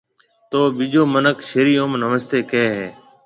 تو ٻِيجو مِنک شرِي اوم نمستيَ ڪهيََ هيَ۔